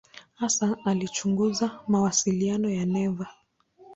Hasa alichunguza mawasiliano ya neva.